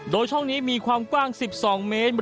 โดยช่องนี้มีความกว้าง๑๒เมตร